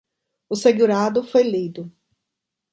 O segurado foi lido